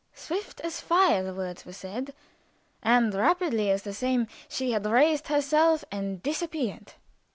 Swift as fire the words were said, and rapidly as the same she had raised herself and disappeared.